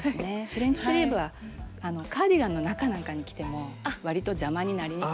フレンチスリーブはカーディガンの中なんかに着てもわりと邪魔になりにくいので。